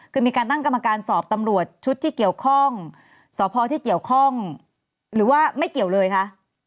คือมีการตั้งกรรมการสอบตำรวจชุดที่เกี่ยวข้องสพที่เกี่ยวข้องหรือว่าไม่เกี่ยวเลยคะ